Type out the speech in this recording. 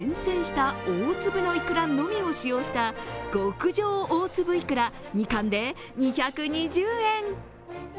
厳選した大粒のいくらのみを使用した極上大粒いくら、２貫で２２０円。